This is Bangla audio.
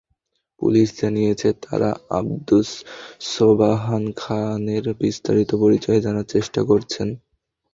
পুলিশ জানিয়েছে, তারা আবদুস সোবাহান খানের বিস্তারিত পরিচয় জানার চেষ্টা করছেন।